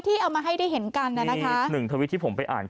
ที่เอามาให้ได้เห็นกันนะนึกทวิทย์ที่ผมไปอ่านเจอ